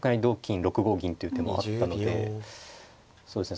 ６五銀という手もあったのでそうですね